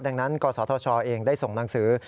ดังนั้นกศธชเองได้ส่งหนังสือ